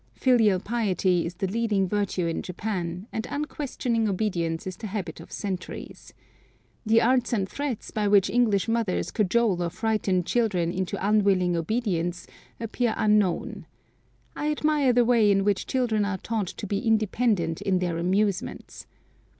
Filial piety is the leading virtue in Japan, and unquestioning obedience is the habit of centuries. The arts and threats by which English mothers cajole or frighten children into unwilling obedience appear unknown. I admire the way in which children are taught to be independent in their amusements.